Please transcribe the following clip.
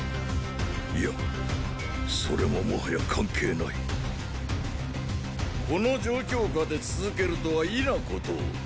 いやそれももはや関係ないこの状況下で続けるとは異なことを。